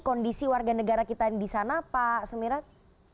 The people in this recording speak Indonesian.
kondisi warga negara kita yang disana pak semirat